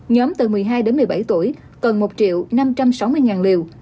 nhóm từ một mươi hai đến một mươi bảy tuổi cần một triệu năm trăm sáu mươi liều